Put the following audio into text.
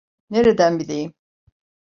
Nereden bileyim?